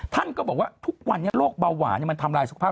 ท่านก็บอกว่าทุกวันนี้โรคเบาหวานมันทำลายสุขภาพ